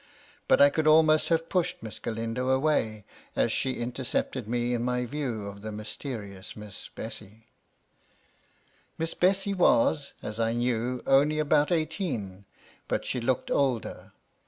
But I could almost have pushed Miss Galindo away, as she intercepted me in my view of the mysterious Miss Bessy. 324 MY LADY LUDLOW. Miss Bessy was, as I knew, only about eighteen, but she looked older.